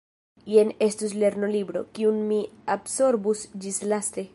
Jen estus lernolibro, kiun mi absorbus ĝislaste.